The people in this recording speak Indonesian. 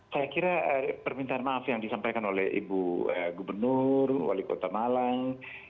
saya kira permintaan maaf yang disampaikan oleh ibu gubernur wali kota malang